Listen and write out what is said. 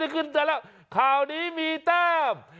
นี่คุณจัดละข่าวนี้มีเต้ม